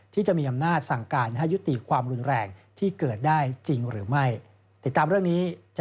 ที่จะมีอำนาจสั่งการให้ยุติความรุนแรงที่เกิดได้จริงหรือไม่